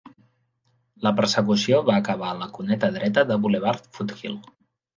La persecució va acabar a la cuneta dreta del Boulevard Foothill.